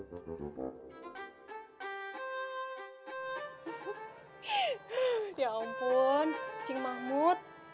ya ampun cing mahmud